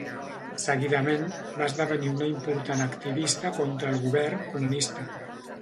Seguidament, va esdevenir una important activista contra el govern comunista.